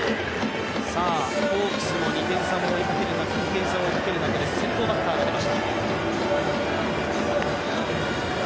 ホークスも２点差を追いかける中で先頭バッターが出ました。